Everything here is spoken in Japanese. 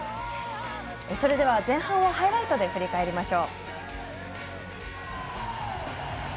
それでは前半をハイライトで振り返ります。